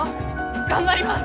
頑張ります！